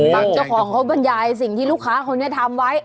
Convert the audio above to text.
เจ้าของเขาบรรยายสิ่งที่ลูกค้าคนนี้ทำไว้